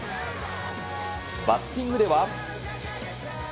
バッティングでは。